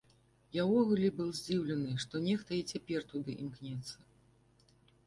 Я ўвогуле быў здзіўлены, што нехта і цяпер туды імкнецца.